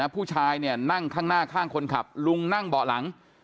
ผู้ชายเนี่ยนั่งข้างหน้าข้างคนขับลุงนั่งเบาะหลัง